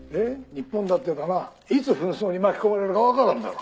日本だってだないつ紛争に巻き込まれるかわからんだろ」